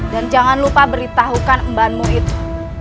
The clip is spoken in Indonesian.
dan jangan lupa beritahukan embanmu itu